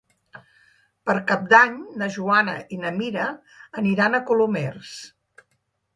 Per Cap d'Any na Joana i na Mira aniran a Colomers.